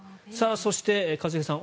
そして一茂さん